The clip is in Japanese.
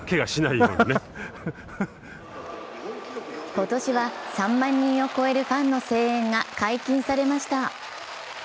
今年は３万人を超えるファンの声援が解禁されました。